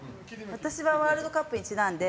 私はワールドカップ時期なので